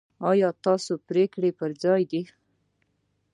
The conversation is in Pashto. ایا ستاسو پریکړې پر ځای دي؟